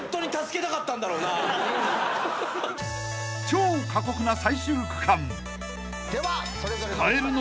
［超過酷な最終区間］